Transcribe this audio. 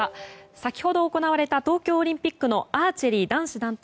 先ほど行われた東京オリンピックのアーチェリー男子団体